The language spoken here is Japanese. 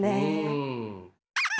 うん。